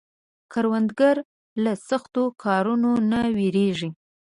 کروندګر له سختو کارونو نه نه ویریږي